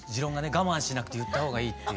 我慢しなくて言ったほうがいいっていう。